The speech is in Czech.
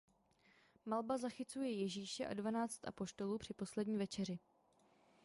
Malba zachycuje Ježíše a dvanáct apoštolů při poslední večeři.